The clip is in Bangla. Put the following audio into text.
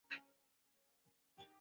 ঠিক তখনি কলটা ডিসকানেক্ট হয়ে গেল।